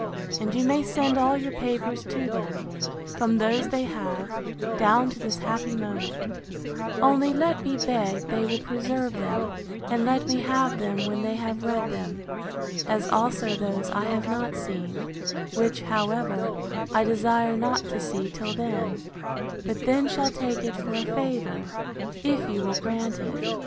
and you may send all your papers to them, from those they have, down to this happy moment; only let me beg they will preserve them, and let me have them when they have read them; as also those I have not seen; which, however, I desire not to see till then; but then shall take it for a favour, if you will grant it.